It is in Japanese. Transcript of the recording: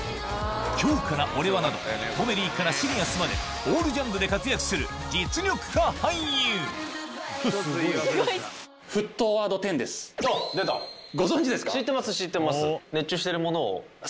『今日から俺は‼』などコメディーからシリアスまでオールジャンルで活躍する実力派俳優ご存じですか？